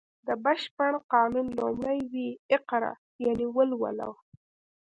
د بشپړ قانون لومړی ویی اقرا یانې ولوله و